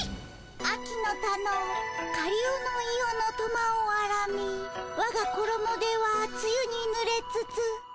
「秋の田のかりおのいおのとまをあらみわがころもではつゆにぬれつつ」。